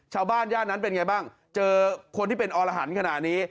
ย่านนั้นเป็นไงบ้างเจอคนที่เป็นอรหันขนาดนี้